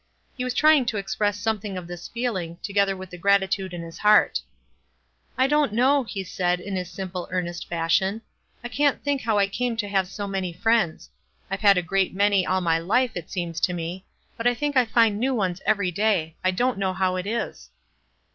He was trying to express something of this feeling, together with the gratitude in his heart. WISE AND OTHERWISE. 383 "I don know," he said, in his simple, earn est fashion, "I can't think how I came to have so many friends. I've had a great many all my life, it seems to me ; hut I think I find new ones every day. I don't know how it is."